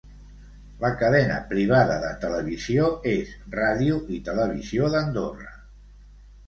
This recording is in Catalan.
La cadena privada de televisió és Ràdio i Televisió d'Andorra.